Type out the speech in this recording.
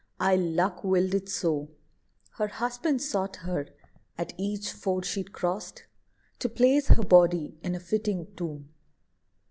Ill luck willed it so. Her husband sought her, at each ford she'd crossed, To place her body in a fitting tomb.